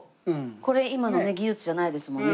これ今の技術じゃないですもんね